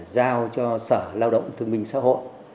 giao cho sở lao động thương minh xã hội